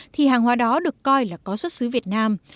thì hàng hóa đó được coi là có xuất xứ việt nam